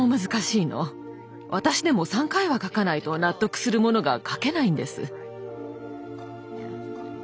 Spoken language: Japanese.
私でも３回は描かないと納得するものが描けないんです。